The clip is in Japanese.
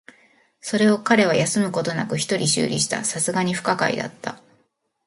それを彼は休むことなく一人修理した。流石に不可解だった。